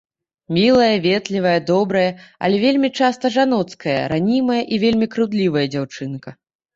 Мілая, ветлівая, добрая, але вельмі часта жаноцкая, ранімая і вельмі крыўдлівая дзяўчынка.